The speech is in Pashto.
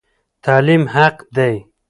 تعلیم حق دی.